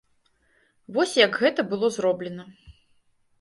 Вось як гэта было зроблена.